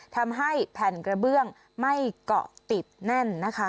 ทำให้แผ่นกระเบื้องไม่เกาะติดแน่นนะคะ